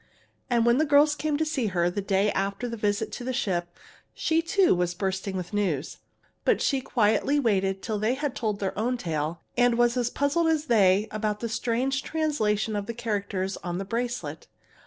And when the girls came to see her, the day after the visit to the ship, she too was bursting with news. But she quietly waited till they had told their own tale, and was as puzzled as they about the strange translation of the characters on the bracelet.